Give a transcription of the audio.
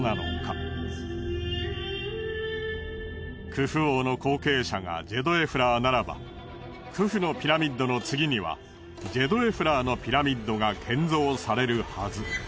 クフ王の後継者がジェドエフラーならばクフのピラミッドの次にはジェドエフラーのピラミッドが建造されるはず。